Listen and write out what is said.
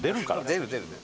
出る出る。